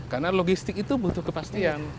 karena logistik itu butuh kepastian